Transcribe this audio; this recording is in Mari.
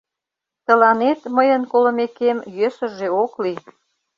Тыланет, мыйын колымекем, йӧсыжӧ ок лий...